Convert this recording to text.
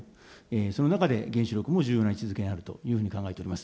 その中で、原子力も重要な位置づけになるというふうに考えております。